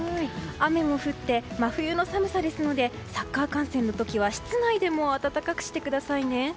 雨も降って真冬の寒さですのでサッカー観戦の時には室内でも暖かくしてくださいね。